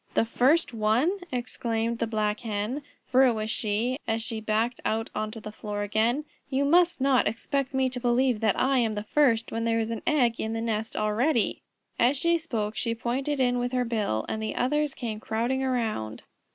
"The first one!" exclaimed the Black Hen, for it was she, as she backed out onto the floor again. "You must not expect me to believe that I am the first when there is an egg in the nest already." As she spoke she pointed in with her bill, and the others came crowding around.